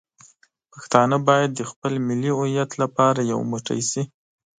پښتانه باید د خپل ملي هویت لپاره یو موټی شي.